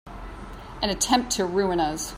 An attempt to ruin us!